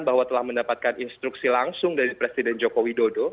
bahwa telah mendapatkan instruksi langsung dari presiden joko widodo